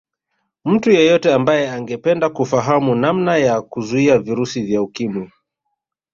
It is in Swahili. Mtu yeyote ambaye angependa kufahamu namna ya kuzuia virusi vya Ukimwi